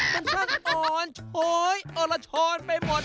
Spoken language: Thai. เป็นช่างอ่อนเฉยเอาละช้อนไปหมด